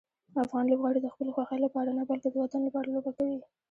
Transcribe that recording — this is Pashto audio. افغان لوبغاړي د خپلې خوښۍ لپاره نه، بلکې د وطن لپاره لوبه کوي.